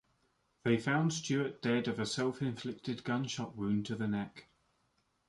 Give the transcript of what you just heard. They found Stewart dead of a self-inflicted gunshot wound to the neck.